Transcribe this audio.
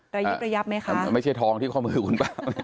ระยิบระยับไหมคะไม่ใช่ทองที่ข้อมือคุณป้า